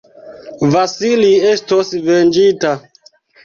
Vasili estos venĝita!